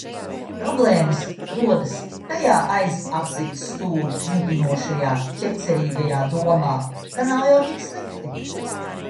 Problēmas rodas tajā aizapziņas stūri kņudinošajā ķecerīgajā domā, ka nav jau tik slikti.